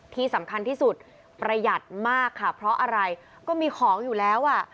ที่สำคัญที่สุดประหยัดมากค่ะเพราะอะไรก็มีของอยู่แล้วอ่ะ